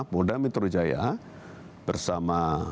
polda metro jaya bersama